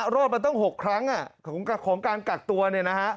รอดมาตั้ง๖ครั้งของการกักตัวเนี่ยนะฮะ